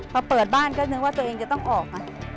พอเปิดบ้านก็นึกว่าตัวเองจะต้องออก